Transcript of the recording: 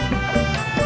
bang kopinya nanti aja ya